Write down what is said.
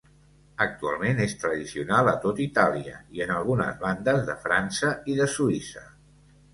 Actualment és tradicional a tot Itàlia i en algunes bandes de França i de Suïssa.